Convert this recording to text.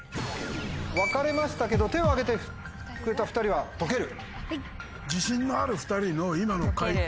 分かれましたけど手を上げてくれた２人は「とける」。